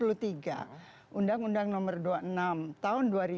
undang undang nomor dua puluh enam tahun dua ribu dua